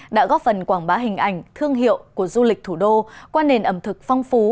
đã góp phần quảng bá hình ảnh thương hiệu của du lịch thủ đô qua nền ẩm thực phong phú